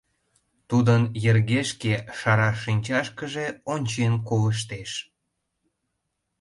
Тудын йыргешке шара шинчашкыже ончен колыштеш.